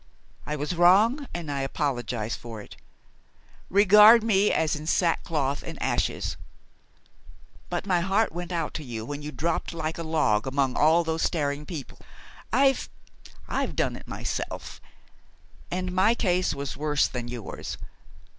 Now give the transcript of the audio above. I was wrong, and I apologize for it. Regard me as in sackcloth and ashes. But my heart went out to you when you dropped like a log among all those staring people. I've I've done it myself, and my case was worse than yours.